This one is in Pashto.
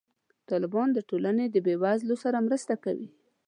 طالبان د ټولنې د بې وزلو سره مرسته کوي.